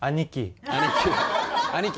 兄貴。